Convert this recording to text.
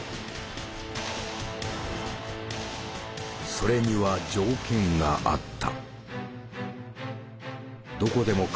それには条件があった。